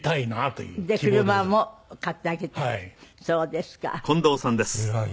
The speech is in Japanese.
そうですか。